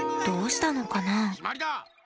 どうしたのかな？